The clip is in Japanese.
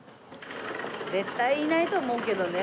絶対いないと思うけどね。